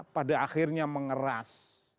pada akhirnya mengeras